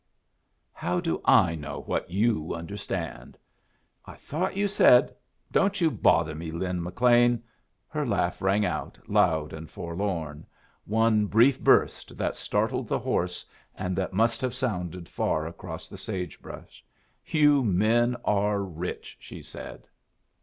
"How do I know what you understood?" "I thought you said " "Don't you bother me, Lin McLean." Her laugh rang out, loud and forlorn one brief burst that startled the horses and that must have sounded far across the sage brush. "You men are rich," she said.